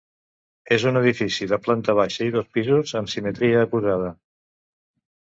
És un edifici de planta baixa i dos pisos amb simetria acusada.